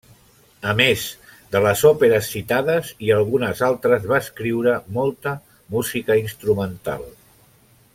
A més de les òperes citades i algunes altres, va escriure molta música instrumental.